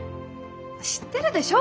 知ってるでしょ？